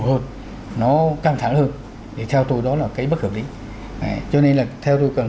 tốt hơn nó căng thẳng hơn thì theo tôi đó là cái bất hợp lý cho nên là theo tôi cần